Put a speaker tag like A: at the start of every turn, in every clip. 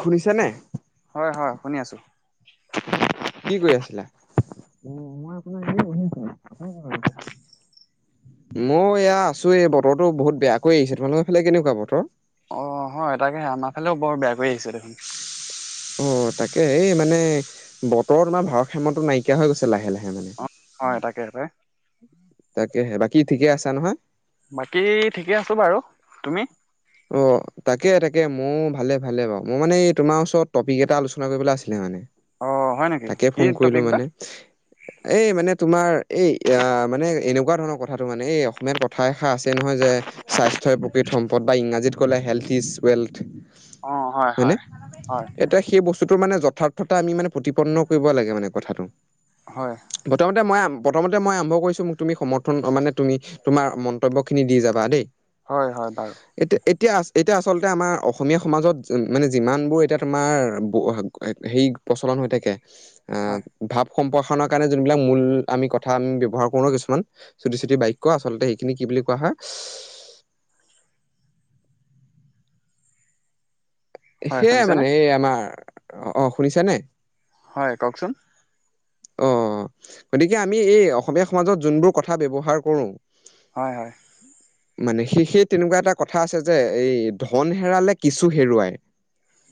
A: শুনিছ নে?
B: হয় হয় শুনি আছো।
A: কি কৰি আছিলা?
B: অ [unintelligible]
A: মই এয়া আছো এই বতৰো বহুত বেয়া কৰি আহিছে, তোমালোকৰ এইফালে কেনেকুৱা বতৰ?
B: অ', হয় তাকেহে আমাৰ ফালেও বৰ বেয়া কৰি আহিছে দেখোন।
A: অ', তাকে এই মানে বতৰ তোমাৰ ভাৰসাম্যতা নাইকিয়া হৈ গৈছে লাহে লাহে মানে
B: অ হয়, তাকে তই
A: তাকেহে, বাকী ঠিকে আছা নহয়?
B: বাকী ঠিকে আছো বাৰু, তুমি?
A: অ'। তাকে তাকে ময়ো ভালে ভালে বাৰু মই মানে এই তোমাৰ ওচৰত টপিক এটা আলোচনা কৰিবলৈ আছিলে মানে।
B: অ হয় নেকি?
A: তাকে
B: কি
A: ফোন কৰিলো
B: টপিক বা?
A: মানে এই মানে তোমাৰ এই মানে এনেকুৱা ধৰণৰ কথাটো মানে এই অসমীয়াত কথা এষাৰ আছে নহয় যে স্বাস্থ্যই প্ৰকৃত সম্পদ বা ইংৰাজীত ক'লে হেল্থ ইজ ৱেল্থ। হয় নে,
B: হয়
A: এতিয়া সেই বস্তু বস্তু মানে যথাৰ্থত আমি মানে প্ৰতিপন্ন কৰিব লাগে মানে কথাটো,
B: হয়
A: প্ৰথমতে মই প্ৰথমতে মই আৰম্ভ কৰিছোঁ মোক তুমি সমৰ্থন মানে তুমি তোমাৰ মন্তব্যখিনি দি যাবা দেই।
B: হয় হয় বাৰু।
A: এতিয়া এতিয়া এতিয়া আচলতে আমাৰ অসমীয়া সমাজত মানে যিমানবোৰ এতিয়া তোমাৰ সেই প্ৰচলন হৈ থাকে
B: হয়
A: অভাব [unintelligible] সম্প্ৰসাৰণৰ কাৰণে যোনবিলাক মূল আমি কথা আমি ব্যৱহাৰ কৰো কিছুমান চুটি চুটি বাক্য আচলতে সেইখিনি বুলি কোৱা হয়।
B: হয়
A: সেয়
B: শুনিছেনে?
A: মানে এই আমাৰ অ', শুনিছ নে?
B: হয় কওকচোন।
A: অ', গতিকে আমি এই অসমীয়া সমাজত যোনবোৰ কথা ব্যৱহাৰ কৰোঁ
B: হয় হয়।
A: মানে সেই সেই তেনেকুৱা এটা কথা আছে যে এই ধন হেৰালে কিছু হেৰুৱাই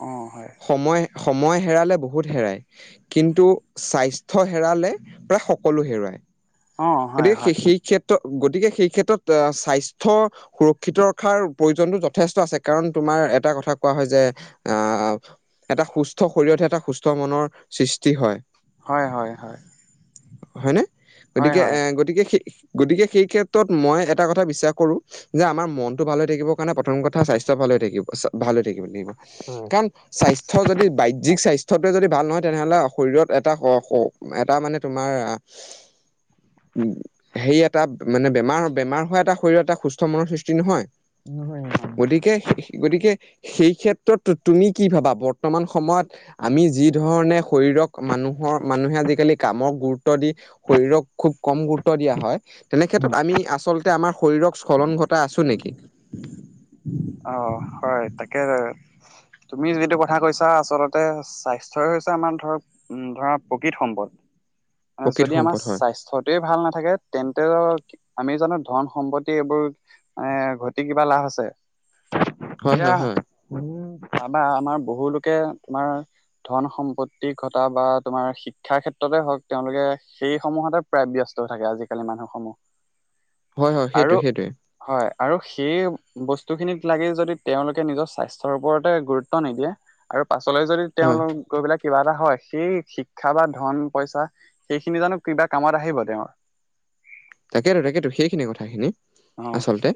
B: অ হয়
A: সময় সময় হেৰালে বহুত হেৰাই কিন্তু স্বাস্থ্য হেৰালে প্ৰায় সকলো হেৰুৱায়।
B: অ', হয়
A: গতিকে
B: হয়।
A: সেই সেই ক্ষেত্ৰত গতিকে সেই ক্ষেত্ৰত স্বাস্থ্য সুৰক্ষিত ৰখাৰ প্ৰয়োজনতটো যথেষ্ট আছে কাৰণ ত মাৰ এটা কথা কোৱা হয় যে আহ এটা সুস্থ শৰীৰতহে এটা সুস্থ মনৰ সৃষ্টি হয়।
B: হয় হয় হয়।
A: হয়নে,
B: হয়
A: গতিকে
B: হয়।
A: এ গতিকে সেই গতিকে সেই ক্ষেত্ৰত মই এটা কথা বিশ্বাস কৰো যে আমাৰ মনটো ভাল হৈ থাকিবৰ কাৰণে প্ৰথম কথা স্বাস্থ্য ভাল [unintelligible] ভাল হৈ থাকিব ৰাগিব, কাৰণ স্বাস্থ্য যদি বাহ্যিক স্বাস্থ্যটোৱে ভাল নহয় তেনেহলে শৰীৰত এটা এটা মানে তোমাৰ উম, হেৰি এটা মানে বেমাৰ বেমাৰ হোৱা এটা শৰীৰৰ এটা সুস্থ মনৰ সৃষ্টি নহয়। গতিকে সেই গতিকে সেই ক্ষেত্ৰত তু তুমি কি ভাবা বৰ্তমান সময়ত আমি যি ধৰণে শৰীৰক মানুহৰ মানে মানুহে আজিকালি কামক গুৰুত্ব দি শৰীৰক খুব কম গুৰুত্ব দিয়া হয়। তেনেক্ষেত্ৰত আমি আচল আম শৰীৰৰ স্খলন ঘটাই আছো নেকি?
B: অ' হয় তাকে তুমি যিটো কথা কৈছা আচলতে স্বাস্থ্যই হৈছে আমাৰ ধৰ ধৰা প্ৰকৃত সম্পদ। আৰু
A: প্ৰকৃত
B: যদি আমাৰ
A: সম্পদ হয়
B: স্বাস্থ্য টোৱে ভাল নাথ থাকে তেন্তে আমি জানোঁ ধন সম্পত্তি এইবোৰ এহ ঘটি কিবা লাভ আছে।
A: হয়
B: এতিয়া
A: হয় হয়
B: উম, আমাৰ আমাৰ বহু লোকে তোমাৰ ধন সম্পত্তি ঘটা বা তোমাৰ শিক্ষা ক্ষেত্ৰতে হওঁক, তেওঁলোকে সেই সমূহতে প্ৰায় ব্যস্ত থাকে আজিকালি মানুহসমূহ।
A: হয়, হয়। সেইটো
B: আৰু
A: সেইটোৱে।
B: হয় আৰু সেই বস্তু বস্তুখিনিত লাগি যদি তেওঁলোকে নিজৰ স্বাস্থ্যৰ ওপৰতে গুৰুত্ব নিদিয়ে আৰু পাছলৈ যদি
A: হয়
B: তেওঁলোক গৈ পেলাই। কিবা এটা হয়, সেই শিক্ষা বা ধন পইচা সেইখিনি জানোঁ কিবা কামত আহিব তেওঁৰ।
A: তাকেতো তাকেতো সেইখিনি কথা খিনি
B: অ হয়
A: আচলতে।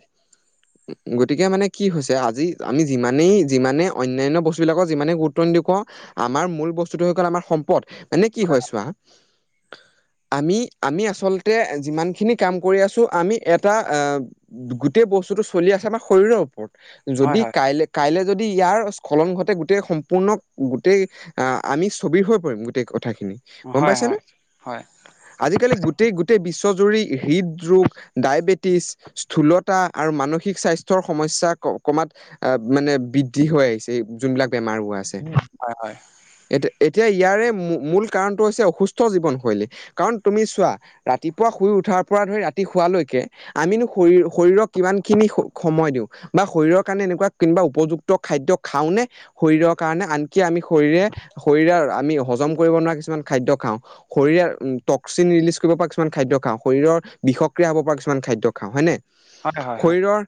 A: গতিকে মানে কি হৈছে, আজি আমি যিমানেই যিমানে অন্যান্য বস্তু বিলাকক যিমানেই গুৰুত্ব নিদিওঁ কওঁ। আমাৰ মূল বস্তুটো হৈ গ'ল আমাৰ সম্পদ। মানে কি হয় চোৱা আমি আমি আচলতে যিমান যিখিনি কাম কৰি আছোঁ, আমি এটা গোটেই বস্তুটো চলি আছে আমাৰ শৰীৰৰত ওপৰত
B: হয়
A: যদি
B: হয়
A: কাইলৈ কাইলৈ। যদি ইয়াৰ স্খলন ঘতে গোটেই সম্পূৰ্ণ গোটেই আহ আমি ছবিৰ হৈ পৰিম গোটেই থাকিমেইই গ'ম
B: হয়
A: পাইছানে
B: হয়
A: আজিকালি গোটেই গোটেই বিশ্বজুৰি হৃদৰোগ, ডায়েবেটিচ, স্থূলতা আৰু মানসিক স্বাস্থ্যৰ সমস্যা কমাত মানে বৃদ্ধি হৈ আহিছে যোনবিলাক বেমাৰ বোৰৰ আছে
B: হয় হয়
A: এইটো এত এতিয়া ইয়াৰে মূল কাৰণটো হৈছে অসুস্থ জীৱনশৈলী কাৰণ তুমি চোৱা ৰাতিপুৱা শুই উঠাৰ পৰা ধৰি ৰাতি শুৱালৈকে আমিনো শৰী শৰীৰক কিমান খিনি সময় দিওঁ বা শৰীৰৰ কাৰণে এনেকুৱা কেনেবা উপযুক্ত খাদ্য খাওঁনে শৰীৰৰ কাৰণে আনকি আমি শৰীৰৰে শৰীৰৰ আমি আমি হজম কৰিব নোৱাৰা কিছুমান খাদ্য খাওঁ, শৰীৰৰে টক্সিন ৰিলিজ কৰিব পৰা কিছুমান খাদ্য খাওঁ, শৰীৰৰ বিষক্ৰিয়া হ'ব পৰা কিছুমান খাদ্য খাওঁ হয়নে
B: হয় হয় হয়
A: শৰীৰৰ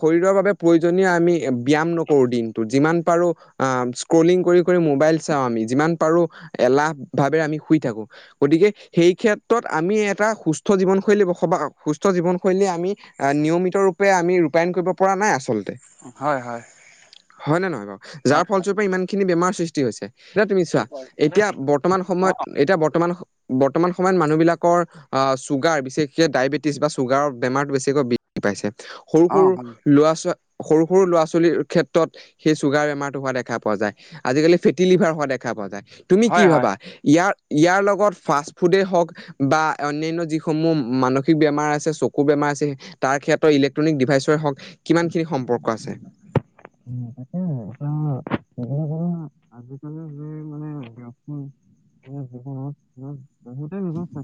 A: শৰীৰৰ বাবে প্ৰয়োজনীয় আমি ব্যয়াম নকৰোঁ দিনটোত। যিমান পাৰো অ' স্ক্ৰলিং কৰি মোবাইল চাওঁ, আমি যিমান পাৰোঁ এলাহ ভাৱে আমি শুই থাকো, গতিকে সেই ক্ষেত্ৰত আমি এটা সুস্থ সুস্থ জীৱনশৈলী বসবাস সুস্থ জীৱনশৈলী আমি নিয়মিত ৰূপে আমি ৰূপায়ণ কৰিব পৰা নাই, আচলতে
B: হয় হয়
A: হয় নে নহয় বাৰু। যাৰ ফলস্বৰূপে ইমান খিনি বেমাৰ সৃষ্টি হৈছে। সেই তুমি চোৱা
B: হয়
A: এতিয়া বৰ্তমান
B: অ
A: সময়ত এতিয়া বৰ্তমান সম বৰ্তমান সময়ত মানুহ বিলাকৰ আহ ছুগাৰ বিশেষকে ডায়বেটিছ বা ছুগাৰ বেমাৰটো বেছিকৈ বৃদ্ধি পাইছে। সৰু
B: অ
A: সৰু ল'ৰা ছোৱালী সৰু সৰু ল'ৰা ছোৱালীৰ ক্ষেত্ৰত সেই চুগাৰ বেমাৰতটো হোৱা দেখা পোৱা যায়। আজিকালি ফেটি লিভাৰ হোৱা দেখা পোৱা যায়। তুমি কি
B: হয় হয়
A: ভাবা, ইয়াৰ ইয়াৰ লগত ফাৰ্ষ্ট ফুডেই হওঁক বা অন্যান্য যি সমূহ মানসিক বেমাৰ আছে, চকুৰ বেমাৰ আছে, তাৰ ক্ষেত্ৰত ইলেক্ট্ৰনিক ডিভাইচৰে হওঁক কিমান খিনি সম সম্পৰ্ক আছে।
B: উম, তাকে [unintelligible] যি মানে ব্যস্ত জীৱনত বহুতে বুজিছে।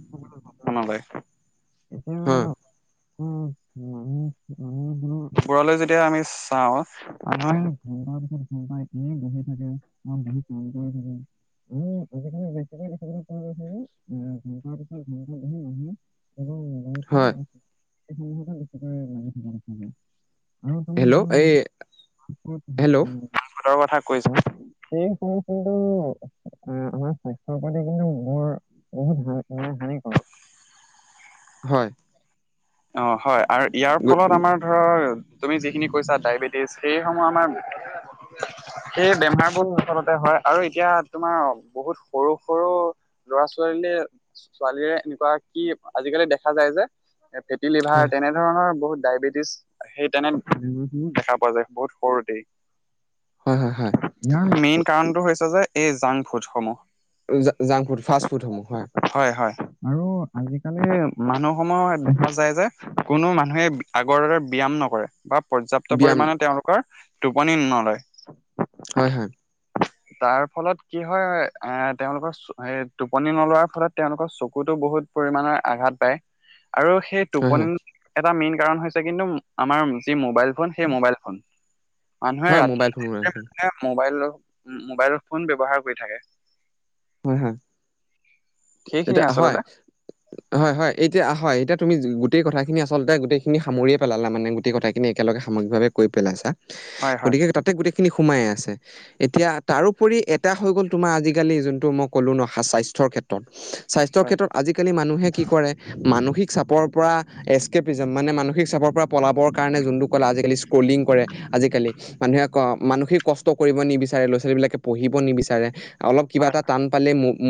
A: হয়।
B: এতিয়া ওপৰলৈ যেতিয়া আমি চাওঁ, [unintelligible] বহুত মন গৈ থাকে।
A: [inaudible]
B: আমি আজিকালি বেছিকৈ দেখিবলৈ পোৱা গৈছে যে এ ঘন্টাৰ পিছত ঘন্টা বহি মানুহে কেৱল মোবাইল ফোন
A: হয়।
B: বা সমূহতে বেছিকৈ লাগি থকা দেখা যায় আৰু তুমি
A: হেল্ল'
B: যি
A: এই হেল্ল'
B: ডাঙৰ কথা কৈছোঁ। আমাৰ স্বাস্থ্যৰ প্ৰতি কিন্তু বৰ বহুত হা মানে হানিকৰ।
A: হয়।
B: অ' হয় আৰু ইয়াৰ
A: গুড
B: ফলত আমাৰ ধৰ তুমি যিখিনি কৈছা ডায়বেটিছ সেই [unintelligible] আমাৰ। সেই বেমাৰ বোৰ আচলতে হয় আৰু এতিয়া তোমাৰ বহুত সৰু-সৰু লৰা-ছোৱালীয়ে, ছোৱালীৰে এনেকুৱা কি আজিকালি দেখা যায় যে, ফেটি
A: হয়
B: লিভাৰ তেনেধৰণৰ বহুত ডায়বেটিছ সেই তেনে দেখা পোৱা যায় বহুত সৰুতেই।
A: হয় হয় হয়
B: ইয়াৰ মেইন কাৰণটো হৈছে যে এই জাংক ফুড সমূহ।
A: জাংক-ফুড, ফাষ্ট-ফুডসমূহ হয়।
B: আৰু আজিকালি মানুহ [unintelligible] দেখা যায় যে কোনো মানুহে আগৰ দৰে ব্যায়াম নকৰে বা পৰ্যাপ্ত
A: ব্যায়াম
B: পৰিমাণে তেওঁলোকৰ টোপনি নলয়।
A: হয় হয়
B: তাৰ ফলত কি হয় এ তেওঁলোকৰ এ টোপনি নোলোৱাৰ ফলত তেওঁলোকৰ চকুতো বহুত পৰিমাণৰ আঘাত পায়। আৰু সেই
A: হয় হয়
B: টোপনি এটা মেইন কাৰণ হৈছে কিন্তু আমাৰ যি মোবাইল ফোন, সেই মোবাইল ফোন। মানুহে
A: হয় মোবাইল ফোন মোবাইল
B: ৰাতি
A: ফোন
B: মোবাইলৰ মোবাইলৰ ফোন ব্যৱহাৰ কৰি থাকে।
A: হয় হয় এতিয়া
B: সেইখিনিয়ে
A: হয়
B: আচলতে
A: হয় হয় এতিয়া হয় এতিয়া তুমি গোটেই কথাখিনি আচলতে গোটেইখিনি সামৰিয়ে পেলালা মানে গোটেই কথাখিনি একেলগ সাময়িকভাৱে কৈ পেলাইছা।
B: হয় হয়
A: গতিকে তাতে গোটেই খিনি সোমাই আছে এতিয়া তাৰোপৰি এটা হৈ গ'ল তোমাৰ আজিকালি যোন ত' মই ক'লো ন হা-স্বাস্থ্যৰ ক্ষেত্ৰত। স্বাস্থ্যৰ
B: হয়
A: ক্ষেত্ৰত আজিকালি মানুহে কি কৰে, মানসিক চাপৰ পৰা এছকেপিজম মানে, মানুহে িক চাপৰ পৰা পলাবৰ কাৰণে যোনটো কলে আজিকালি স্ক্ৰলিং কৰে আজিকালি মানুহে মানসিক কষ্ট কৰিব নিবিচাৰে ল' ছোৱালীবিলাকে পঢ়িব নিবিচাৰে অলপ কিবা
B: হয়
A: এটাত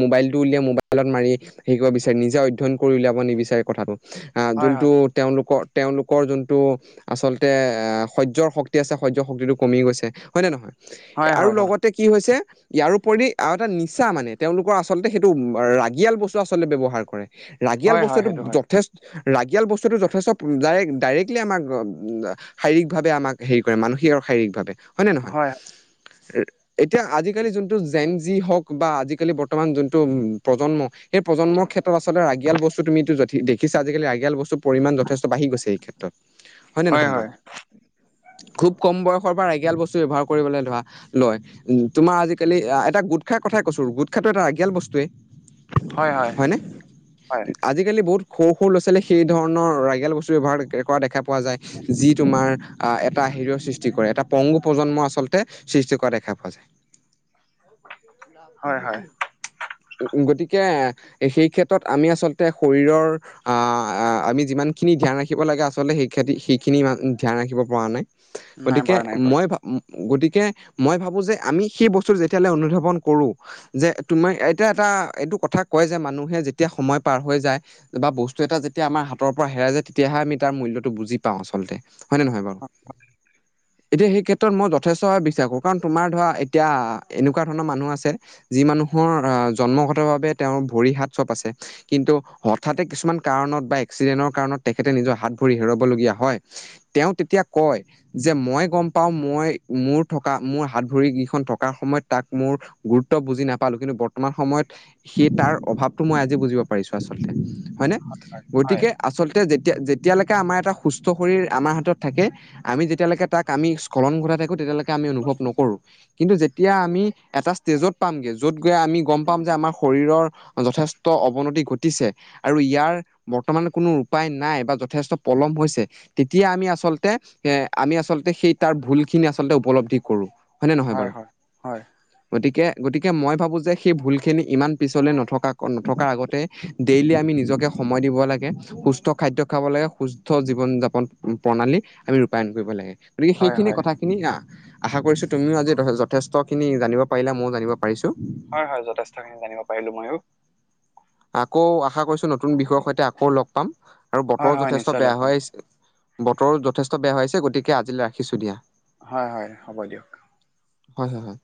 A: মোবাইল টো উলিয়াই মোবাইলত মাৰি শিকিব বিচাৰে নিজে অধ্যয়ন কৰি উলিয়াব নিবিচাৰে কথাটো আহ
B: হয়
A: যোনটো
B: হয়
A: তেওঁলোকৰ তেওঁলোকৰ যোনটো আচলতে সহ্যয়ৰ শক্তি আছে সহ্য শক্তিটো কমি গৈছে হয় নে নহয়
B: হয়
A: আৰু
B: হয় হয়
A: লগতে কি হৈছে ইয়াৰোপৰি আৰু এটা নি ইচ্ছা মানে তেওঁলোকৰ আচলতে সেইটো ৰাগিয়াল বস্তু আচলতে ব্যৱহাৰ কৰে ৰাগিয়াল
B: হয় হয়
A: বস্তুটো
B: সেইটো হয়
A: যথেষ্ট ৰাগিয়াল বস্তুটো যথেষ্ট ডাইৰেক্ ডাইৰেক্টলি আমাক শাৰীৰিকভাৱে আমাক হেৰি কৰে মানসিক শৰীৰিক ভাৱে হয় ন নহয় এতিয়া আজিকালি যোনটো জেন যি হওক বা আজিকালি বৰ্তমান যোনটো প্ৰজন্ম সেই প্ৰজন্মৰ ক্ষেত্ৰত আচলতে ৰাগিয়াল বস্তু তুমিটো দেখিল আজিকালি ৰাগিয়াল বস্তুৰ পৰিমাণ যথেষ্ট বাঢ়ি গৈছে এই ক্ষেত্ৰত হয়নে
B: হয়
A: নহয়
B: হয়
A: বাৰু খুব কম বয়সৰ পৰা বস্তু ব্যৱহাৰ কৰিবলৈ ধৰা লয় তোমাৰ আজাকালি এটা গট খ কৈছো গুটখাটো এটা ৰাগিয়াল বস্তুৱে হয় নে
B: হয়
A: আজিকালি বহুত সৰু সৰু ল' ছোৱালী সেই ধৰণৰ বস্তু ব্যৱহাৰ কৰা দেখা পোৱা যায় যি তোমাৰ আহ এটা হেৰিয়ৰ সৃষ্টি কৰে এটা পংগু প্ৰজন্মৰ আচলতে সৃষ্টি কৰা দেখা পোৱা যায়
B: হয় হয়
A: গতিকে সেই ক্ষেত্ৰত আমি আচলতে শৰীৰৰ আমি যিমান সখিনি ধ্যান ৰাখিব লাগে আচলতে সেই খেতি সেইখিনি ধ্যান ৰাখিব পৰা নাই
B: নাই
A: গতিকে
B: পৰা নাই পৰা
A: মই ভ গতিকে মই ভাবো যে আমি সেই বস্তু যেতিয়াললে অনুধৱ ন কৰো যে তুমি এতিয়া এটা এইটো কথা কয় যে মানুহে যেতিয়া সময় পাৰ হৈ যায় বা বস্তু এটা যেতিয়া আমাৰ হাতৰ পৰা হেৰাই যায় তেতিয়াহে আমি তাৰ মূল্যটো বুজি পাওঁ আচলতে হয়নে নহয় বাৰু এতিয়া সেই ক্ষেত্ৰত মই যথেষ্ট ভাৱে বিশ্বাস কৰো কাৰণ তোমাৰ ধৰা এতিয়া এনেকুৱা মানুহ আছে যি মানুহৰ আহ জন্মগতভাৱে তেওঁৰ ভৰি হাত চব আছে কিন্তু হঠাতে কিছুমান কাৰণত বা এক্সিডেণ্টৰ কাৰণত তেখেতে নিজৰ হাত ভৰি হেৰুবলগীয়া হয় তেওঁ তেতিয়া কয় যে মই গম পাওঁ মই মোৰ থকা মোৰ হাত ভৰি কেইখন থকাৰ সময়ত তাক মোৰ গুৰুত্ব বুজি নাপালো কিন্তু বৰ্তমান সময়ত সেই তাৰ অভাৱতো মই আজি বুজিব পাৰিছো আচ আচলতে হয়নে
B: হয়
A: গতিকে আচলতে যেতিয়া যেতিয়া লৈ ে আমাৰ এটা সুস্থ শৰীৰৰ আমাৰ হাতত থাকে, আমি যেতিয়ালৈকে তাক আমি স্খলন ঘটাই থাকো, তেতিয়ালৈকে আমি অনুভৱ অনুভৱ নকৰোঁ। কিন্তু যেতিয়া এটা ষ্টেজত পাম গৈ য'ত গৈ আমি গম পাম যে আমাৰ শৰীৰ যথেষ্ট অৱনতি ঘটি। পিছে আৰু ইয়াৰ বৰ্তমান কোনো উপায় নাই বা যথেষ্ট পলম হৈছে, তেতিয়া আমি আচলতে আচলতে এ আমি আচলতে সেই তাৰ ভুল খিনি আচলতে উপলব্ধি কৰোঁ হয়নে নহয়
B: হয়
A: বাৰু।
B: হয় হয়।
A: গতিকে, গতিকে মই ভাবোঁ যে সেই ভুলখিনি ইমান পিছলে নথকা নথকাৰ আগতে ডেইলি আমি নিজকে সময় দিব লাগে। সুস্থ খাদ্য খাব লাগে সুস্থ জীৱন যাপন প্ৰণালী। আমি ৰূপায়ন কৰিব লাগে। গতিকে,
B: হয়
A: সেইখিনি
B: হয়
A: কথাখিনি আহ আশা কৰিছোঁ তুমিও আজি যথেষ্টখিনি জানিব পাৰিলা মইয়ো জানিব পাৰিছো
B: হয়, হয়। যথেষ্ট খিনি জানিব পাৰিলোঁ মইয়ো।
A: আকৌ আশা কৰিছোঁ নতুন বিষয়ৰ সৈতে আকৌ লগ পাম আৰু
B: হয়
A: বতৰো
B: হয়
A: যথেষ্ট
B: নিশ্চয় লগ
A: বেয়া
B: পাম
A: হৈ আহিছে। বতৰো যথেষ্ট বেয়া হৈ আহিছে। গতিকে আজিলৈ ৰাখিছোঁ দিয়া।
B: হয়, হয়, হ'ব দিয়ক।
A: হয়, হয়, হয়।